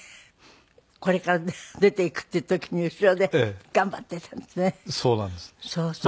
これから出ていくっていう時に後ろで「頑張って」なんてね。